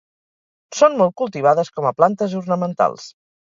Són molt cultivades com a plantes ornamentals.